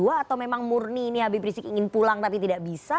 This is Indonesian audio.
atau memang murni ini habib rizik ingin pulang tapi tidak bisa